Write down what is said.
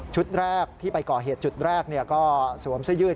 แรกที่ไปก่อเหตุจุดแรกก็สวมเสื้อยืด